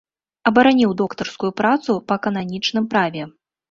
Абараніў доктарскую працу па кананічным праве.